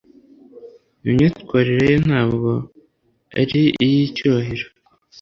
Imyitwarire ye ntabwo ari iyicyubahiro